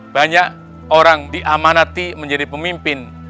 banyak orang diamanati menjadi pemimpin